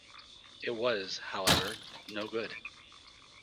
It was, however, no good.